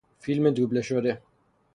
فیلم دوبله شده